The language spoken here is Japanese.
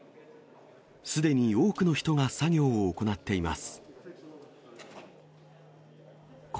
すでに多くの人が作業を行っています。